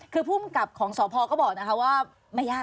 คือผู้มันกลับของสพก็บอกนะครับว่า